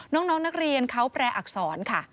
น้องนักเรียนเขาแปลอักษรค่ะ